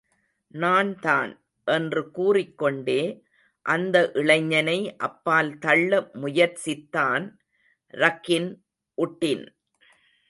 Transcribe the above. நான்தான்! என்று கூறிக் கொண்டே, அந்த இளைஞனை அப்பால் தள்ள முயற்சித்தான் ரக்கின் உட்டின்.